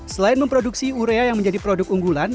selain memproduksi urea yang menjadi produk unggulan